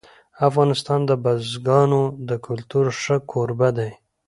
افغانستان د بزګانو د کلتور ښه کوربه دی.